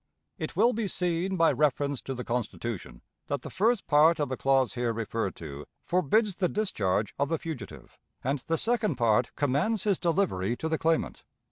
It will be seen, by reference to the Constitution, that the first part of the clause here referred to forbids the discharge of the fugitive, and the second part commands his delivery to the claimant.